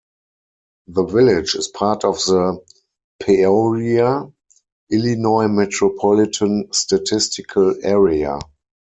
The village is part of the Peoria, Illinois Metropolitan Statistical Area.